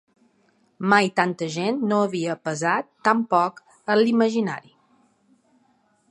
Mai tanta gent no havia pesat tan poc en l’imaginari.